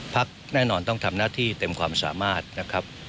พักแน่นอนต้องทำหน้าที่เต็มความสามารถนะครับ